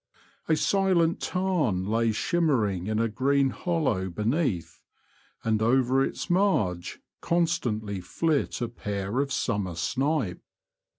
A silent tarn lies shim mering in a green hollow beneath, and over its marge constantly flit a pair of summer snipe.